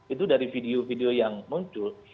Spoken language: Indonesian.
itu dari video video yang muncul